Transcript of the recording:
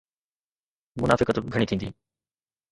منافقت به گهڻي ٿيندي.